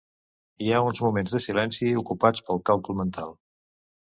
Hi ha uns moments de silenci ocupats pel càlcul mental.